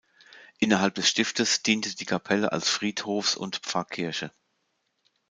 Innerhalb des Stiftes diente die Kapelle als Friedhofs und Pfarrkirche.